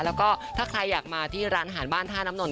แล้วก็ถ้าใครอยากมาที่ร้านอาหารบ้านท่าน้ำนนท